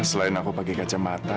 selain aku pakai kacamata